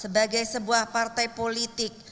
sebagai sebuah partai politik